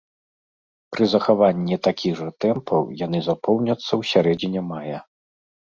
Пры захаванні такіх жа тэмпаў яны запоўняцца ў сярэдзіне мая.